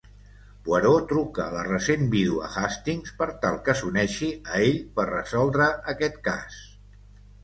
Poirot truca a la recent vídua Hastings per tal que s'uneixi a ell per resoldre aquest cas.